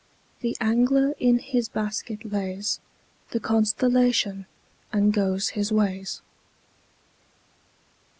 The angler in his basket lays The constellation, and goes his ways.